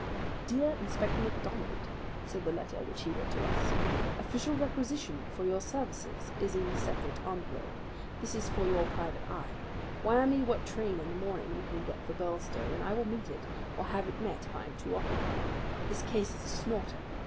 "DEAR INSPECTOR MACDONALD [said the letter which he read to us]: "Official requisition for your services is in separate envelope. This is for your private eye. Wire me what train in the morning you can get for Birlstone, and I will meet it or have it met if I am too occupied. This case is a snorter.